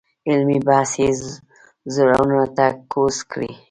علمي بحث یې زړونو ته کوز کړی.